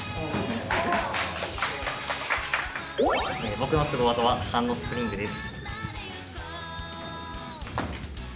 僕のすご技はハンドスプリングです。